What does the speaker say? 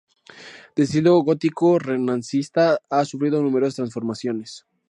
De estilo gótico-renacentista ha sufrido numerosas transformaciones.